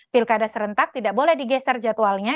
pilkada serentak tidak boleh digeser jadwalnya